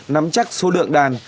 nắm chắc số lượng đàn